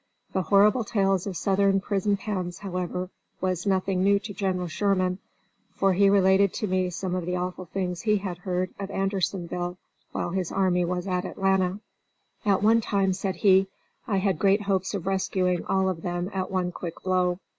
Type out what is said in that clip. The horrible tales of Southern prison pens, however, was nothing new to General Sherman, for he related to me some of the awful things he had heard of Andersonville while his army was at Atlanta. "At one time," said he, "I had great hopes of rescuing all of them at one quick blow.